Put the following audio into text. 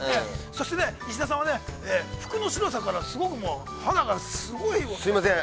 そしてね、石田さんはね、服の白さからすごく、肌がすごい。◆すいません。